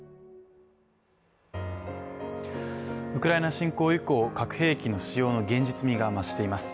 ウクライナ侵攻以降、核兵器の使用の現実味が増しています。